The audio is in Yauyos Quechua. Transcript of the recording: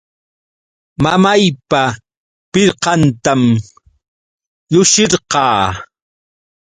Mamaypa pirqantam llushirqaa.